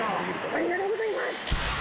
ありがとうございます。